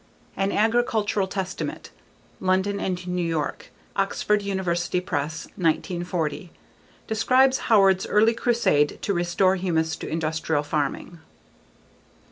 An Agricultural Testament. London & New York: Oxford University Press, 1940. Describes Howard's early crusade to restore humus to industrial farming.